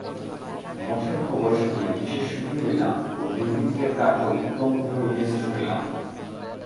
মঠের খবর শুনিয়া বিশেষ সুখী হইলাম ও দুর্ভিক্ষের কার্য উত্তমরূপে হইতেছে শুনিলাম।